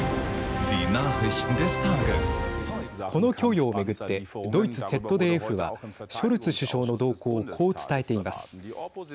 この供与を巡ってドイツＺＤＦはショルツ首相の動向をこう伝えています。